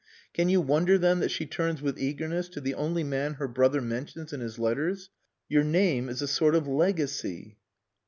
Can you wonder then that she turns with eagerness to the only man her brother mentions in his letters. Your name is a sort of legacy."